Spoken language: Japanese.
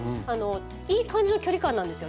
いい感じの距離感なんですよ